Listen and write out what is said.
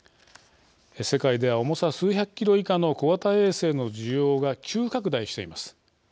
世界では重さ数百キロ以下の小型衛星の需要が急拡大しています。